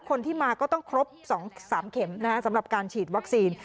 คนที่มาก็ต้องครบ๒๓เข็มสำหรับการฉีดวัคซีน